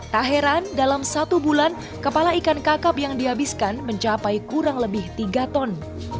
tak heran dalam satu bulan kepala ikan kakap yang dihabiskan mencapai kurang lebih tiga ton